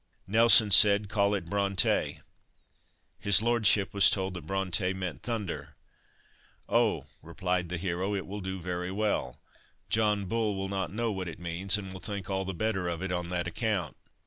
Nelson said "call it Bronte." His lordship was told that "Bronte" meant "thunder." "Oh," replied the hero, "it will do very well; John Bull will not know what it means, and will think all the better of it on that account."